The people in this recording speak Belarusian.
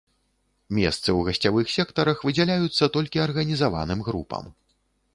Месцы ў гасцявых сектарах выдзяляюцца толькі арганізаваным групам.